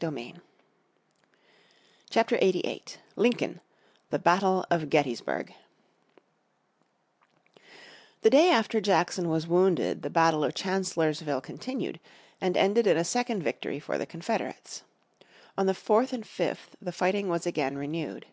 __________ Chapter 88 Lincoln The Battle of Gettysburg The day after Jackson was wounded the battle of Chancellorsville continued, and ended in a second victory for the Confederates. On the 4th and 5th the fighting was again renewed.